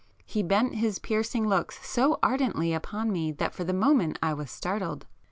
He bent his piercing looks so ardently upon me that for the moment I was startled.